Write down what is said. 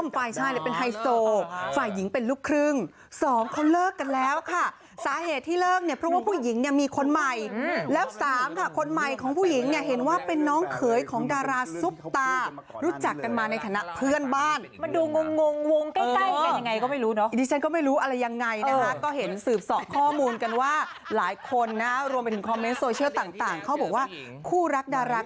สาเหตุที่เลิกเนี่ยเพราะว่าผู้หญิงเนี่ยมีคนใหม่แล้วสามค่ะคนใหม่ของผู้หญิงเนี่ยเห็นว่าเป็นน้องเขยของดาราซุปตารู้จักกันมาในคณะเพื่อนบ้านมาดูงงวงใกล้กันยังไงก็ไม่รู้เนาะดิฉันก็ไม่รู้อะไรยังไงนะฮะก็เห็นสืบสอข้อมูลกันว่าหลายคนนะรวมไปถึงคอมเม้นต์โซเชียลต่างเขาบอกว่าคู่รั